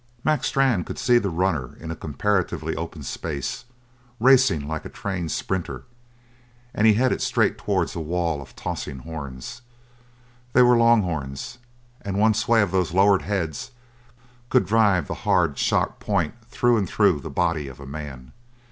Mac Strann could see the runner in a comparatively open space, racing like a trained sprinter, and he headed straight towards a wall of tossing horns. They were long horns, and one sway of those lowered heads could drive the hard, sharp point through and through the body of a man.